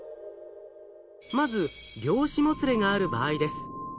まず量子もつれがある場合です。